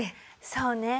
そうね。